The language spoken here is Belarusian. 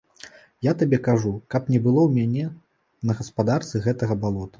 Я табе кажу, каб не было ў мяне на гаспадарцы гэтага балота.